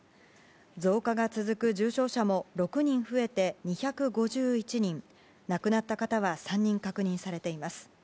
増加が続く重症者も６人増えて２５１人亡くなった方は３人確認されています。